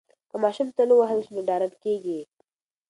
که ماشوم تل ووهل شي نو ډارن کیږي.